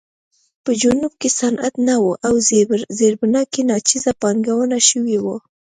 په جنوب کې صنعت نه و او زیربنا کې ناچیزه پانګونه شوې وه.